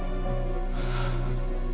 terima kasih suster